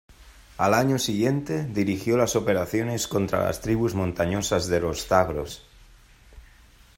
Al año siguiente, dirigió las operaciones contra las tribus montañosas de los Zagros.